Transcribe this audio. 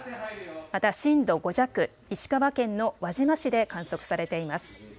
また震度５弱、石川県の輪島市で観測されています。